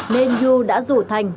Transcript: nên yu đã rủ thành